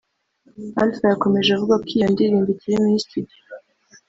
Alpha yakomeje avuga ko iyo ndirimbo ikiri muri studio